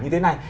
như thế này